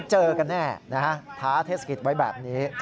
เจอกันแน่นะฮะท้าเทศกิจไว้แบบนี้